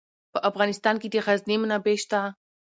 په افغانستان کې د غزني منابع شته.